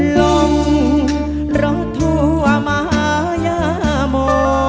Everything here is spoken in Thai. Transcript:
ล้อมรถทั่วมายโม